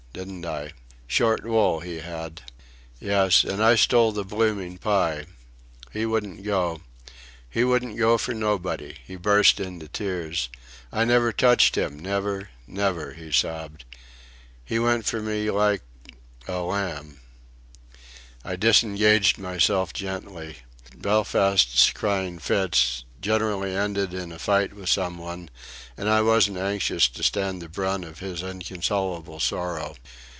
didn't I? Short wool he had.... Yes. And I stole the blooming pie.... He wouldn't go.... He wouldn't go for nobody." He burst into tears. "I never touched him never never!" he sobbed. "He went for me like... like ... a lamb." I disengaged myself gently. Belfast's crying fits generally ended in a fight with some one, and I wasn't anxious to stand the brunt of his inconsolable sorrow.